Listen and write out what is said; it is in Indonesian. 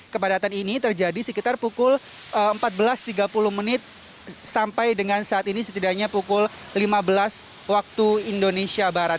kepadatan ini terjadi sekitar pukul empat belas tiga puluh menit sampai dengan saat ini setidaknya pukul lima belas waktu indonesia barat